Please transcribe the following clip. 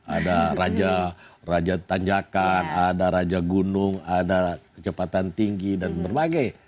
ada raja raja tanjakan ada raja gunung ada kecepatan tinggi dan berbagai